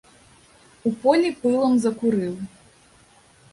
У полі пылам закурыў.